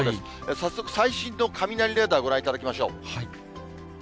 早速最新の雷レーダーご覧いただきましょう。